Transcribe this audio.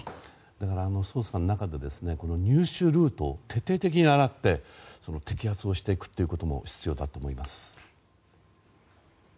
だから、捜査の中で入手ルートを徹底的に洗って摘発をしていくことが必要だと思います。